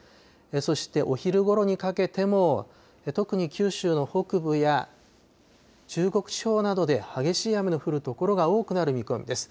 そして、お昼ごろにかけても、特に九州の北部や中国地方などで激しい雨の降る所が多くなる見込みです。